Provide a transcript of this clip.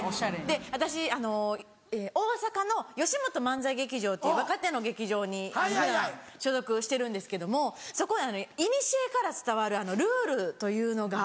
私大阪のよしもと漫才劇場という若手の劇場に普段所属してるんですけどもそこいにしえから伝わるルールというのが。